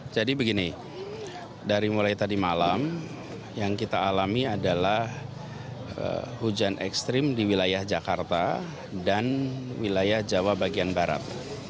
jadi begini dari mulai tadi malam yang kita alami adalah hujan ekstrim di wilayah jakarta dan wilayah jawa bagian barat